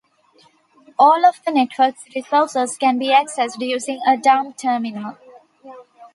All of the network's resources can be accessed using a dumb terminal.